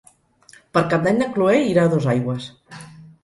Per Cap d'Any na Cloè irà a Dosaigües.